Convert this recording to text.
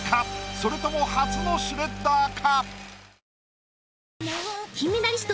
それとも初のシュレッダーか？